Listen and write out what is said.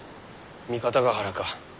三方ヶ原か。